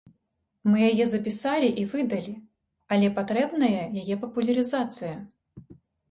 Мы яе запісалі і выдалі, але патрэбная яе папулярызацыя.